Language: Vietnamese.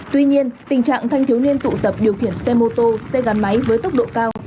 tuy nhiên tình trạng thanh thiếu niên tụ tập điều khiển xe mô tô xe gắn máy với tốc độ cao